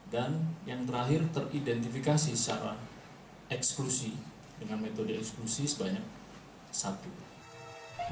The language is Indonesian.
dan yang terakhir teridentifikasi secara eksklusi dengan metode eksklusi sebanyak satu